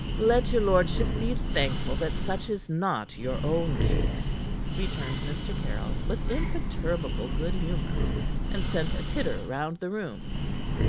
"Let your lordship be thankful that such is not your own case," returned Mr. Caryll, with imperturbable good humor, and sent a titter round the room.